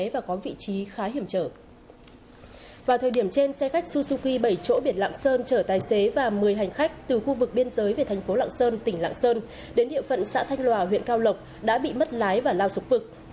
vào thời điểm trên xe khách su suki bảy chỗ biển lạng sơn chở tài xế và một mươi hành khách từ khu vực biên giới về thành phố lạng sơn tỉnh lạng sơn đến địa phận xã thanh lòa huyện cao lộc đã bị mất lái và lao xuống vực